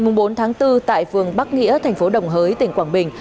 ngày bốn tháng bốn tại phường bắc nghĩa thành phố đồng hới tỉnh quảng bình